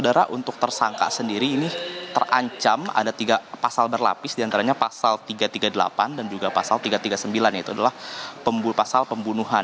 dan juga tersangka ketiga yaitu sebagai kakaknya